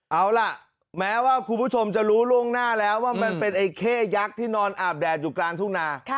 เอาล่ะแม้ว่าคุณผู้ชมจะรู้ล่วงหน้าแล้วว่ามันเป็นไอ้เข้ยักษ์ที่นอนอาบแดดอยู่กลางทุ่งนา